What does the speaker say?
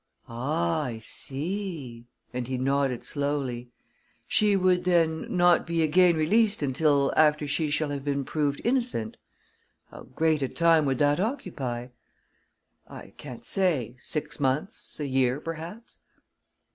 "Ah, I see," and he nodded slowly. "She would then not be again released until after she shall have been proved innocent. How great a time would that occupy?" "I can't say six months a year, perhaps."